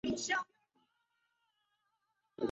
该物种的模式产地在石屏。